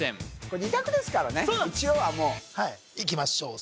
これ２択ですからね一応はもういきましょう